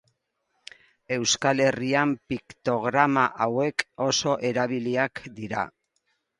Euskal Herrian piktograma hauek oso erabiliak dira.